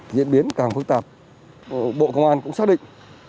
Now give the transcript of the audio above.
diễn biến càng phức tạp bộ công an cũng xác định